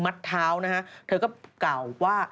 เท้านะฮะเธอก็กล่าวว่า